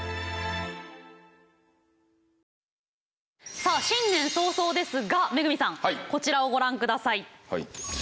さあ新年早々ですが恵さんこちらをご覧下さい。